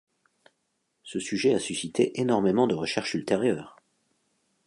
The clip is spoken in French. Ce sujet a suscité énormément de recherches ultérieures.